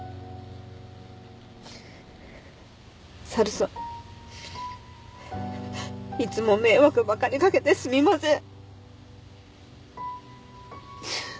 猿さんいつも迷惑ばかりかけてすみません。